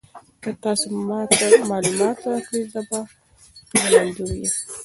که تاسي ما ته معلومات راکړئ زه به منندوی یم.